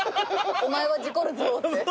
お前は事故るぞって？